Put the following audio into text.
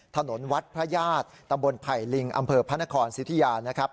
ถนนวัดพระญาติตำบลไผ่ลิงอำเภอพระนครสิทธิยานะครับ